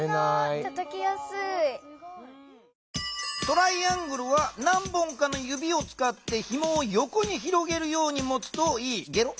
トライアングルは何本かのゆびをつかってひもをよこに広げるようにもつといいゲロ。